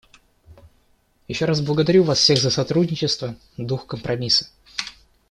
Еще раз благодарю вас всех за сотрудничество, дух компромисса.